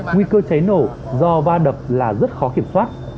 nguy cơ cháy nổ do va đập là rất khó kiểm soát